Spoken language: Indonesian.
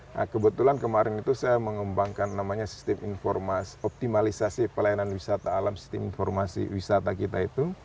nah kebetulan kemarin itu saya mengembangkan namanya sistem informasi optimalisasi pelayanan wisata alam sistem informasi wisata kita itu